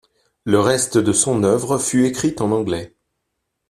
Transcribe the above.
Le reste de son œuvre fut écrite en anglais.